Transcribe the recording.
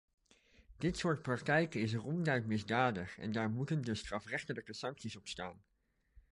Dit soort praktijken is ronduit misdadig en daar moeten dus strafrechtelijke sancties op staan.